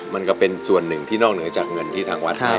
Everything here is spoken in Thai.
มันก็เป็นส่วนหนึ่งที่นอกเหนือจากเงินที่ทางวัดให้